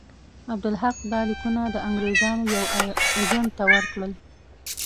عبدالحق دا لیکونه د انګرېزانو یوه اجنټ ته ورکړل.